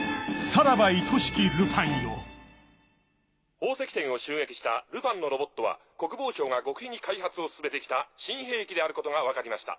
宝石店を襲撃したルパンのロボットは国防省が極秘に開発を進めて来た新兵器であることが分かりました。